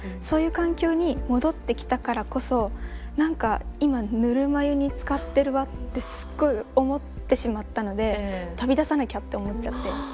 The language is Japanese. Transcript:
そういう環境に戻ってきたからこそ何か今ぬるま湯につかってるわってすっごい思ってしまったので飛び出さなきゃって思っちゃって。